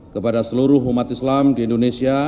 kepada seluruh umat islam di indonesia